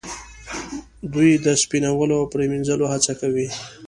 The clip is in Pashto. دوی د سپینولو او پریمینځلو هڅه کوي.